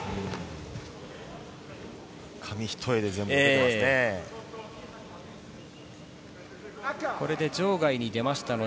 紙一重で全部逃げてますね。